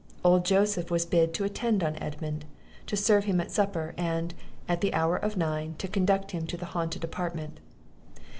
Old Joseph was bid to attend on Edmund; to serve him at supper; and, at the hour of nine, to conduct him to the haunted apartment.